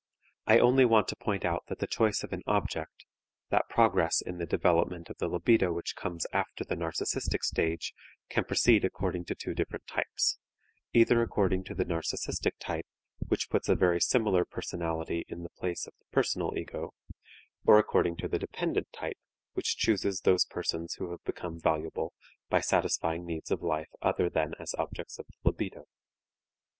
I only want to point out that the choice of an object, that progress in the development of the libido which comes after the narcistic stage, can proceed according to two different types either according to the narcistic type, which puts a very similar personality in the place of the personal ego, or according to the dependent type, which chooses those persons who have become valuable by satisfying needs of life other than as objects of the libido.